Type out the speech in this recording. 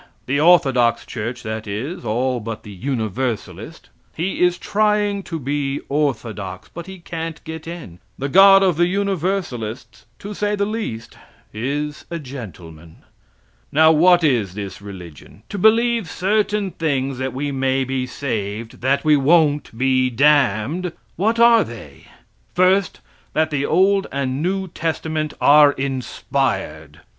The orthodox church that is, all but the Universalist. He is trying to be orthodox, but he can't get in. The God of the Universalists, to say the least, is a gentleman. Now, what is this religion? To believe certain things that we may be saved, that we won't be damned. What are they? First, that the old and new testament are inspired.